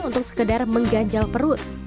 untuk sekedar mengganjal perut